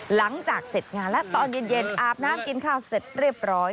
หลังจากเสร็จงานแล้วตอนเย็นอาบน้ำกินข้าวเสร็จเรียบร้อย